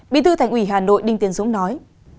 bí thư thành ủy hà nội đinh tiến dũng nói